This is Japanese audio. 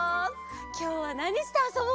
きょうはなにしてあそぼうかな？